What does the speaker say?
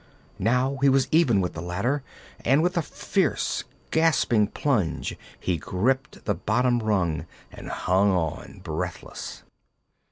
Now he was even with the ladder and with a fierce, gasping plunge he gripped the bottom rung and hung on, breathless.